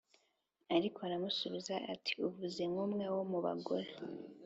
Ariko aramusubiza ati “Uvuze nk’umwe wo mu bagore